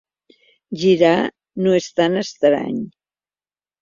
Girar no és tan estrany.